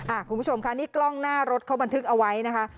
คุณผู้ชมค่ะนี่กล้องหน้ารถเขาบันทึกเอาไว้นะคะ